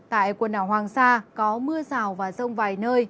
tại quần đảo hoàng sa có mưa rào và rông vài nơi